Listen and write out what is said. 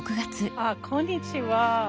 あっこんにちは。